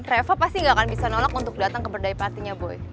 reva pasti gak akan bisa nolak untuk dateng ke berdaipati nya boy